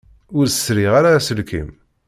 Ur sriɣ ara aselkim.